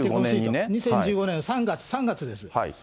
２０１５年３月です。